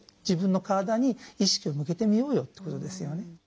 自分の体に意識を向けてみようよってことですよね。